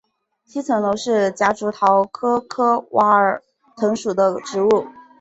七层楼是夹竹桃科娃儿藤属的植物。